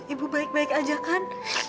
ibu baik baik aja kan